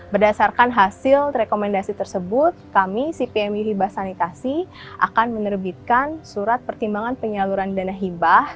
berdasarkan hasil rekomendasi tersebut kami cpmu hibah sanitasi akan menerbitkan surat pertimbangan penyaluran dana hibah